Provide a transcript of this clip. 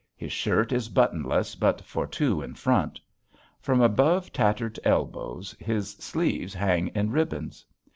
His shirt is buttonless but for two in front. From above tattered elbows his sleeves hang in ribbons.